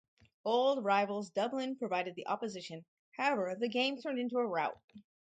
Old rivals Dublin provided the opposition, however, the game turned into a rout.